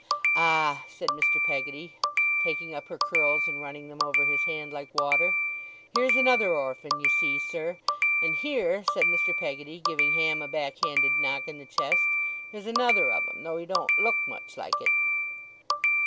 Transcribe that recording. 'Ah!' said Mr. Peggotty, taking up her curls, and running them over his hand like water, 'here's another orphan, you see, sir. And here,' said Mr. Peggotty, giving Ham a backhanded knock in the chest, 'is another of 'em, though he don't look much like it.